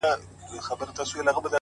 خپل احساسات د عقل په تله وتلئ؛